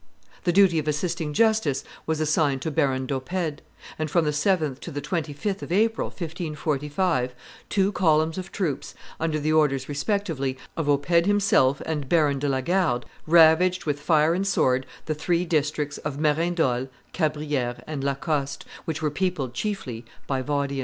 The duty of assisting justice was assigned to Baron d'Oppede; and from the 7th to the 25th of April, 1545, two columns of troops, under the orders, respectively, of Oppede himself and Baron de la Garde, ravaged with fire and sword the three districts of Merindol, Cabrieres, and La Coste, which were peopled chiefly by Vaudians.